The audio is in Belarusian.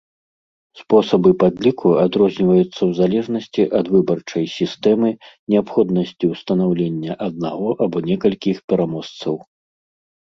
Спосабы падліку адрозніваюцца ў залежнасці ад выбарчай сістэмы, неабходнасці ўстанаўлення аднаго або некалькіх пераможцаў.